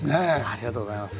ありがとうございます。